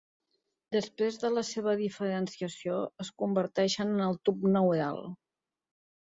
Després de la seva diferenciació es converteixen en el tub neural.